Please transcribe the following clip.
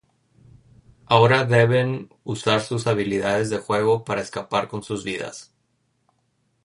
Ahora deben usar sus habilidades de juego para escapar con sus vidas.